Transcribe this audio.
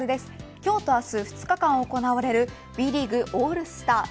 今日と明日、２日間行われるＢリーグオールスター。